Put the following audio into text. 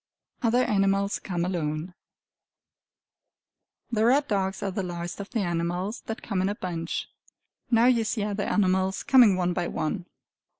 Other Animals Come Alone The red dogs are the last of the animals that come in a bunch. Now you see other animals coming one by one.